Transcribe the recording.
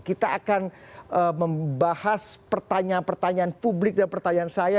kita akan membahas pertanyaan pertanyaan publik dan pertanyaan saya